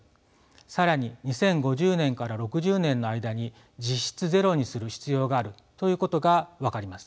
更に２０５０年から２０６０年の間に実質ゼロにする必要があるということが分かります。